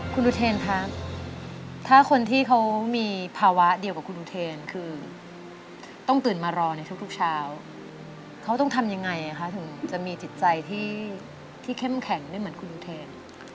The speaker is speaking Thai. คุณอุเทนคะถ้าคนที่เขามีภาวะเดียวกับคุณอุเทนคือต้องตื่นมารอในทุกเช้าเขาต้องทำยังไงคะถึงจะมีจิตใจที่เข้มแข็งได้เหมือนคุณอุเทน